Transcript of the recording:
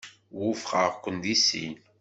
Wufqeɣ-ken deg sin.